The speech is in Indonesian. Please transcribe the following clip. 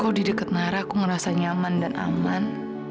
kok di deket nara aku ngerasa nyaman dan aman